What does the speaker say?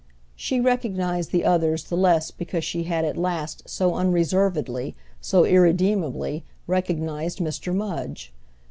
She recognised the others the less because she had at last so unreservedly, so irredeemably, recognised Mr. Mudge.